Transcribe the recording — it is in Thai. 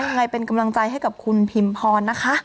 ยังไงเป็นกำลังใจให้กับคุณพิมพรนะคะ